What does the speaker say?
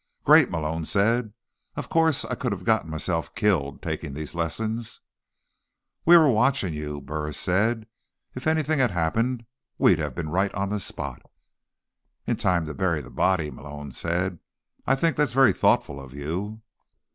"Great," Malone said. "Of course, I could have got myself killed taking these lessons—" "We were watching you," Burris said. "If anything had happened, we'd have been right on the spot." "In time to bury the body," Malone said. "I think that's very thoughtful of you."